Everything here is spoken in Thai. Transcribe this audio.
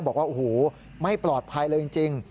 บอกว่าโอ้โหไม่ปลอดภัยเลยจริง